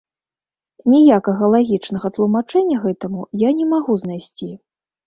Ніякага лагічнага тлумачэння гэтаму я не магу знайсці.